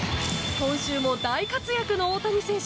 今週も大活躍の大谷選手。